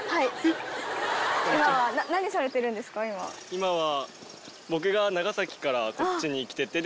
今は。